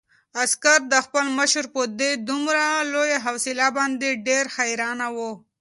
عسکر د خپل مشر په دې دومره لویه حوصله باندې ډېر حیران و.